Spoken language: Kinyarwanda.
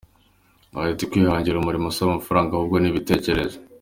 Yagize ati “Kwihangira umurimo si amafaranga, ahubwo ni ibitekerezo.